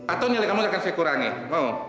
atau nilai kamu tidak saya kurangi mau